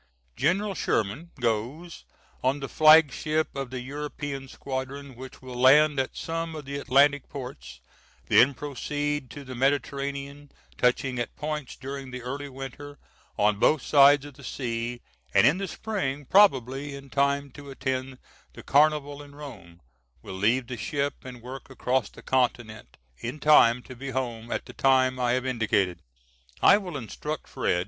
General Sherman goes on the flag ship of the European Squadron which will land at some of the Atlantic ports, then proceed to the Mediterranean touching at points during the early winter on both sides of the sea, and in the spring, probably in time to attend the Carnival in Rome, will leave the ship and work across the Continent, in time to be home at the time I have indicated. I will instruct Fred.